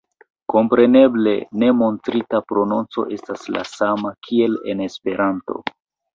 Kompreneble, ne montrita prononco estas la sama, kiel en Esperanto.